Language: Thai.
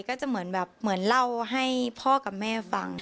ก็จะเหมือนแบบเหมือนเล่าให้พ่อกับแม่ฟัง